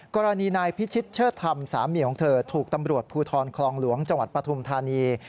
กรณีนายพิชิตเชิดธรรมสามีของเธอ